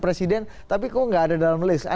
presiden tapi kok nggak ada dalam list